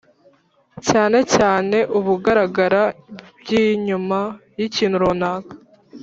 cyanecyane ubugaragara bwinyuma yikintu runaka,